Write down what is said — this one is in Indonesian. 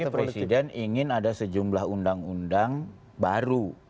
presiden ingin ada sejumlah undang undang baru